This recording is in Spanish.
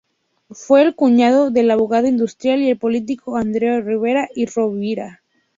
Fue el cuñado del abogado, industrial y político Andreu Ribera y Rovira.